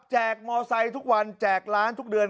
กมอไซค์ทุกวันแจกร้านทุกเดือน